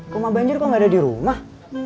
rumah banjir kok nggak ada di rumah